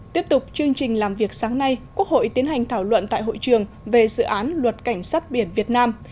tiếp tục chương trình làm việc sáng nay quốc hội tiến hành thảo luận tại hội trường về dự án luật cảnh sát biển việt nam